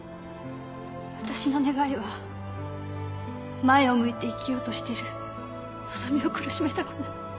私の願いは前を向いて生きようとしてる希美を苦しめたくない